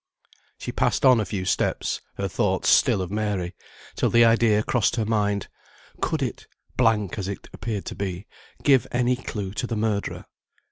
She passed on a few steps, her thoughts still of Mary, till the idea crossed her mind, could it (blank as it appeared to be) give any clue to the murderer?